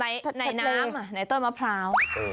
ในน้ำในต้นมะพร้าว